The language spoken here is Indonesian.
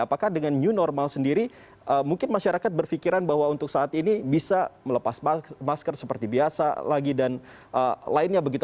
apakah dengan new normal sendiri mungkin masyarakat berpikiran bahwa untuk saat ini bisa melepas masker seperti biasa lagi dan lainnya begitu